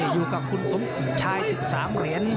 อยู่กับคุณสมชาย๑๓เหรียญ